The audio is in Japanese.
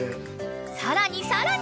［さらにさらに］